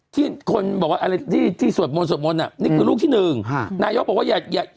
ที่คนบอกว่าอะไรที่ที่สวดมนต์สวดมนต์อ่ะนี่คือลูกที่หนึ่งฮะนายกบอกว่าอย่าอย่า